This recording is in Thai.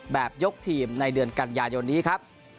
แบบยกทีมในเดือนกันยายนนี้ครับ